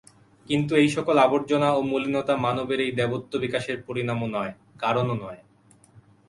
কিন্তু এই-সকল আবর্জনা ও মলিনতা মানবের এই দেবত্ব-বিকাশের পরিণামও নয়, কারণও নয়।